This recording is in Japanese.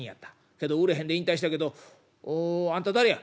けど売れへんで引退したけどあんた誰や？」。